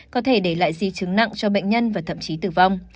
có thể để lại di chứng nặng cho bệnh nhân và thậm chí tử vong